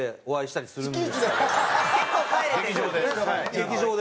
劇場で。